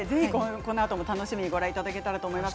このあとも楽しみにご覧いただければと思います。